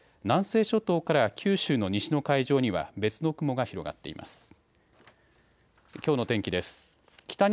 南西諸島から九州の西の海上には別の雲が広がっています。